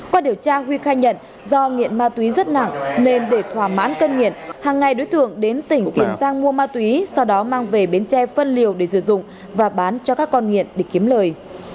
qua điều tra huy khai nhận do nghiện ma túy rất nặng nên để thỏa mãn cân nghiện hàng ngày đối tượng đến tỉnh tiền giang mua ma túy sau đó mang về bến tre phân liều để sử dụng và bán cho các con nghiện để kiếm lời